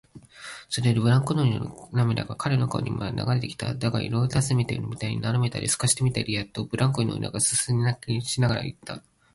それでブランコ乗りの涙が彼の顔にまで流れてきた。だが、いろいろたずねてみたり、なだめすかしてみたりしてやっと、ブランコ乗りはすすり泣きしながらいった。